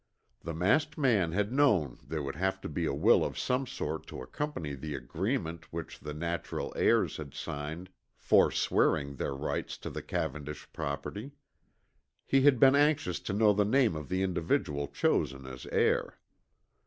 The masked man had known there would have to be a will of some sort to accompany the agreement which the natural heirs had signed forswearing their rights to the Cavendish property. He had been anxious to know the name of the individual chosen as heir.